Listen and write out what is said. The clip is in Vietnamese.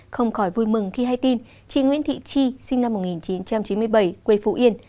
không khỏi vui mừng khi hay tin chị nguyễn thị chi sinh năm một nghìn chín trăm chín mươi bảy quê phú yên